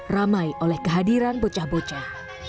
ramai oleh kehadiran bocah bocah